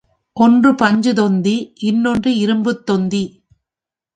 ஒன்று பஞ்சுதொந்தி, இன்னொன்று இரும்புத்தொந்தி.